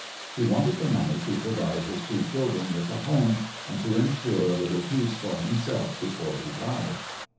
He wanted the money to provide his two children with a home and to ensure a little peace for himself before he died.